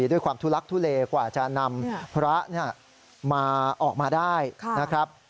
ด้วยความทุลักษณ์ทุเลกว่าจะนำพระออกมาได้นะครับ